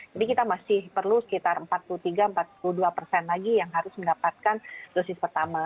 jadi kita masih perlu sekitar empat puluh tiga empat puluh dua persen lagi yang harus mendapatkan dosis pertama